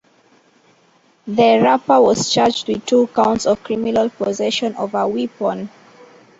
The rapper was charged with two counts of criminal possession of a weapon.